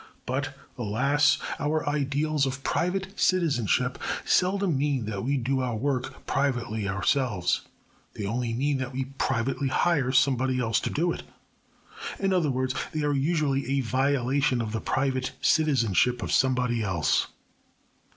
But, alas! our ideals of private citizenship seldom mean that we do our work privately ourselves. They only mean that we privately hire somebody else to do it. In other words, they are usually a violation of the private citizenship of somebody else.